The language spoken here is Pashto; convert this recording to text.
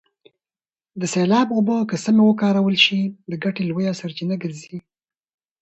د سیلاب اوبه که سمې وکارول سي د ګټې لویه سرچینه ګرځي.